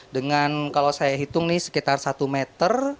dengan kalau saya hitung nih sekitar satu meter